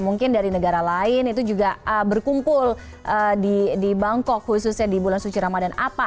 mungkin dari negara lain itu juga berkumpul di bangkok khususnya di bulan suci ramadan apa